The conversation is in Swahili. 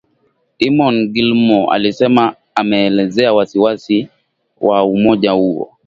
Eamon Gilmore alisema ameelezea wasiwasi wa umoja huo